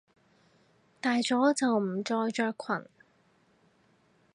大咗就唔再着裙！